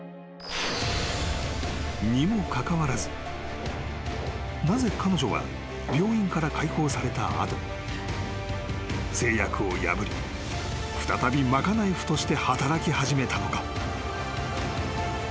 ［にもかかわらずなぜ彼女は病院から解放された後誓約を破り再び賄い婦として働き始めたのか？］